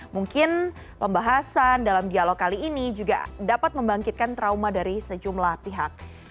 mungkin pembahasan dalam dialog kali ini juga dapat membangkitkan trauma dari sejumlah pihak